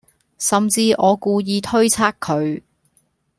甚至我故意推側佢